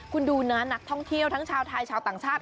คุณดูนะนักท่องเที่ยวทั้งชาวไทยชาวต่างชาติ